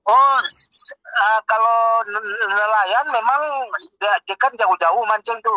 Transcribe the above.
oh kalau nelayan memang dekat jauh jauh mancing tuh